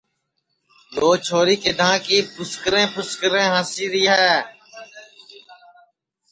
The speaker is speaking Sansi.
یو چھوری کِدھا کی پُھسکریں پُھسکریں ہاسی ری ہے